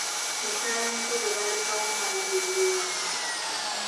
Mukyalamuto gwe baalekawo ng'alabirira awaka.